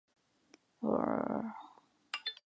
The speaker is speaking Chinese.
供奉弥额尔。